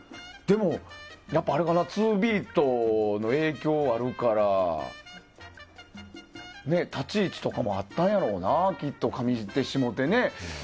やっぱ、あれかなツービートの影響あるから立ち位置とかもあったんやろうなきっと上手、下手ね。